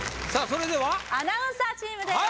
それではアナウンサーチームです